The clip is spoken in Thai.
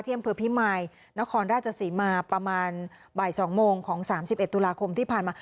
เทียมเผื่อพิมายนครราชสีมาประมาณบ่ายสองโมงของสามสิบเอ็ดตุลาคมที่ผ่านมา